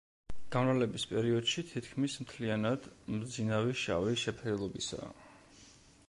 გამრავლების პერიოდში თითქმის მთლიანად მბზინავი შავი შეფერილობისაა.